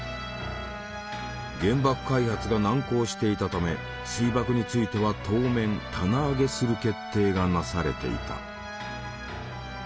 原爆開発が難航していたため水爆については当面棚上げする決定がなされていた。